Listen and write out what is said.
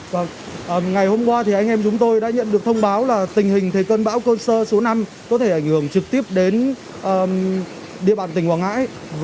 và ngày hôm qua thì anh em chúng tôi đã nhận được thông báo là tình hình thời cơn bão cơn sơ số năm có thể ảnh hưởng trực tiếp đến địa bàn tỉnh quảng ngãi